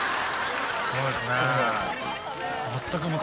そうですねえ